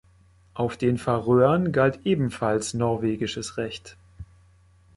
Auf den Färöern galt ebenfalls norwegisches Recht.